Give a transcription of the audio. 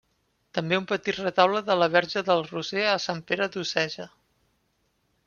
També un petit retaule de la verge del Roser a Sant Pere d'Oceja.